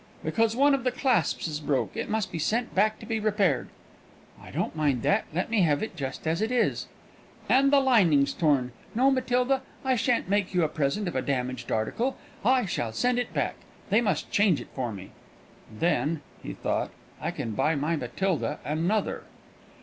"Because one of the clasps is broke. It must be sent back to be repaired." "I don't mind that. Let me have it just as it is." "And the lining's torn. No, Matilda, I shan't make you a present of a damaged article. I shall send it back. They must change it for me." ("Then," he thought, "I can buy my Matilda another.")